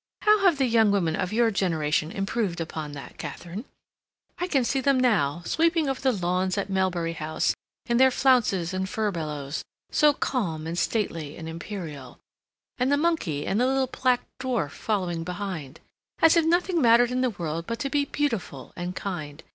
How have the young women of your generation improved upon that, Katharine? I can see them now, sweeping over the lawns at Melbury House, in their flounces and furbelows, so calm and stately and imperial (and the monkey and the little black dwarf following behind), as if nothing mattered in the world but to be beautiful and kind.